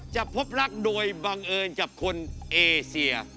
พบรักโดยบังเอิญกับคนเอเซีย